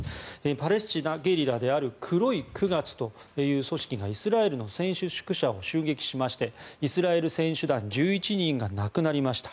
パレスチナ・ゲリラである黒い九月という組織がイスラエルの選手宿舎を襲撃しましてイスラエル選手団１１人が亡くなりました。